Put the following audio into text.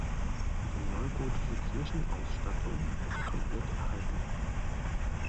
Die neugotische Kirchenausstattung ist komplett erhalten.